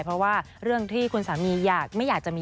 เราก็เป็นไปตามธรรมชาติ